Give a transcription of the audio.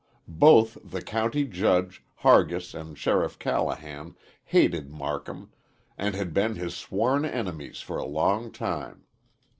Both the county judge, Hargis, and Sheriff Callahan hated Marcum and had been his sworn enemies for a long time.